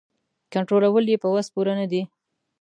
کنټرولول یې په وس پوره نه دي.